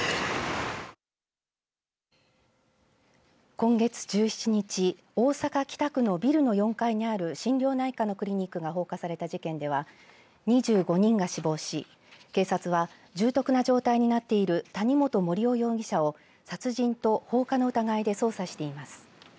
今月１７日大阪北区のビルの４階にある心療内科のクリニックが放火された事件では２５人が死亡し警察は重篤な状態になっている谷本盛雄容疑者を殺人と放火の疑いで捜査しています。